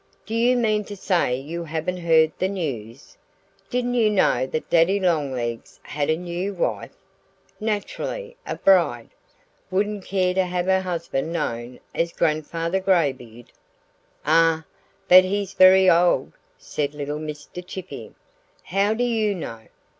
"Do you mean to say you haven't heard the news? Didn't you know that Daddy Longlegs had a new wife? Naturally, a bride wouldn't care to have her young husband known as 'Grandfather Graybeard.'" "Ah! But he's very old!" said little Mr. Chippy. "How do you know?"